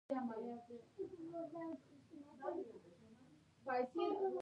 د خالد ښه راغلاست په کار دئ!